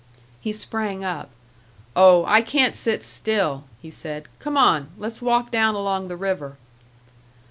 He sprang up. "Oh, I can't sit still!" he said. "Come on. Let's walk down along the river."